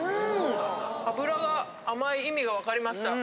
脂が甘い意味が分かりました。